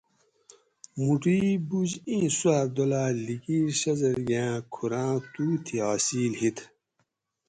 موٹو ایں بُوج ایں سوآ دولت لِکیٹ شازادگے آں کُھوراں تُو تھی حاصل ہِیت